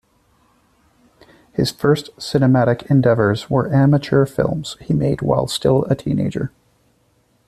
His first cinematic endeavors were amateur films he made while still a teenager.